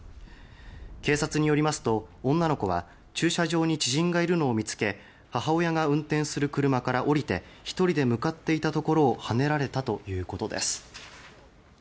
警察によりますと、女の子は駐車場に知人がいるのを見つけ母親が運転する車から降りて１人で向かっていたところをはねられたということです。